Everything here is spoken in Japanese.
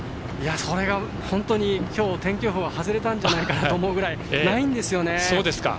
それが、本当にきょう天気予報が外れたんじゃないかなと思うぐらいないんですよね。